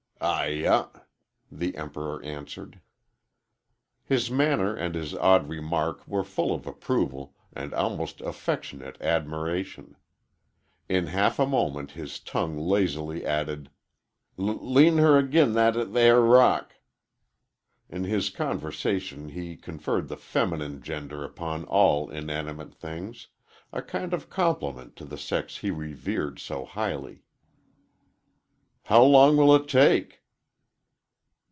"Ay ah," the Emperor answered. His manner and his odd remark were full of approval and almost affectionate admiration. In half a moment his tongue lazily added, "L lean her 'gin th that air rock." In his conversation he conferred the feminine gender upon all inanimate things a kind of compliment to the sex he revered so highly. "How long will it take?"